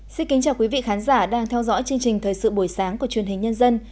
chào mừng quý vị đến với bộ phim thời sự buổi sáng của chuyên hình nhân dân